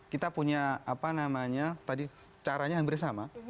kita punya apa namanya tadi caranya hampir sama